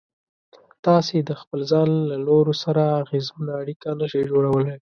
تاسې د خپل ځان له نورو سره اغېزمنه اړيکه نشئ جوړولای.